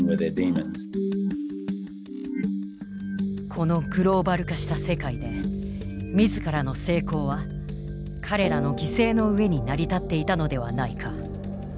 このグローバル化した世界で自らの成功は彼らの犠牲の上に成り立っていたのではないか。